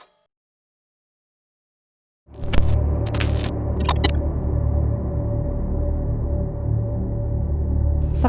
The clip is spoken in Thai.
กลับมาเมื่อกี้กับอาจจะเจอน้ำตาล